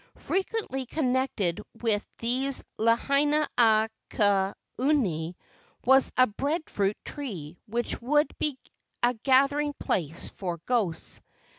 Frequently connected with these Leina a ka uhane was a breadfruit tree which would be a gathering place for ghosts.